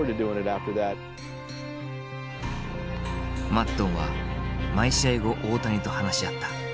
マッドンは毎試合後大谷と話し合った。